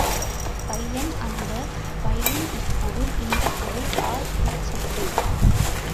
அப்பையன் அந்தப் பையன், இப்பொருள் இந்தப் பொருள் அ, இ, சுட்டு.